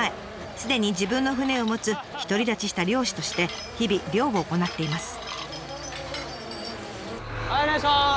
すでに自分の船を持つ独り立ちした漁師として日々漁を行っています。